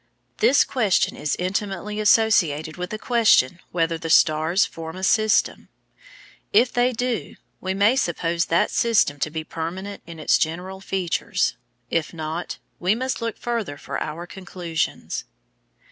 This question is intimately associated with the question whether the stars form a system. If they do, we may suppose that system to be permanent in its general features; if not, we must look further for our conclusions.